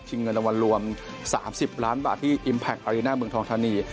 ชิงเงินรวมรวมสามสิบล้านบาทที่อิมแพคต์อารีน่าเมืองทองทานี